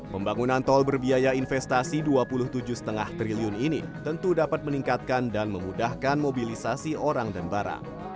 pembangunan tol berbiaya investasi rp dua puluh tujuh lima triliun ini tentu dapat meningkatkan dan memudahkan mobilisasi orang dan barang